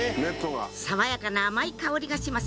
爽やかな甘い香りがします